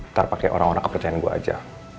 ntar pakai orang orang kepercayaan gue aja